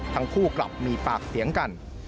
ทั้งคู่กลับมีปากเสียงกัน